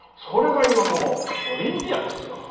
それが今もうオリンピアンですよ。